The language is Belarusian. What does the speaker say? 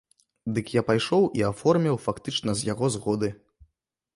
Дык я пайшоў і аформіў, фактычна з яго згоды.